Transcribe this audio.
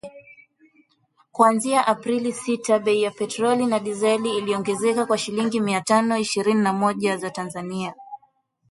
Kuanzia Aprili sita , bei ya petroli na dizeli iliongezeka kwa shilingi mia tatu ishirini na moja za Tanzania